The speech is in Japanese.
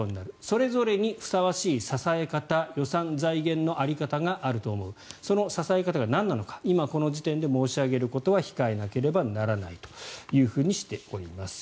それぞれにふさわしい支え方予算、財源の在り方があると思うその支え方がなんなのか今この時点で申し上げることは控えなければならないとしております。